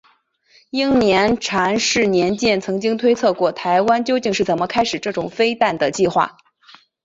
英国詹氏年鉴曾经推测过台湾究竟是怎么开始这种飞弹的计划。